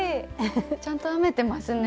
ちゃんと編めてますね。